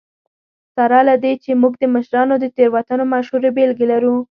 سره له دې چې موږ د مشرانو د تېروتنو مشهورې بېلګې لرو.